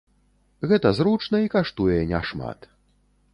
Гэта зручна і каштуе не шмат.